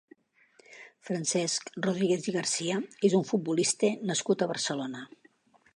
Francesc Rodríguez i García és un futbolista nascut a Barcelona.